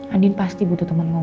andin pasti butuh teman ngomong